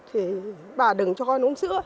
thì bà đừng cho con uống sữa